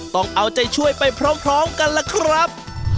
ต้องเอาใจช่วยไปพร้อมกันล่ะครับ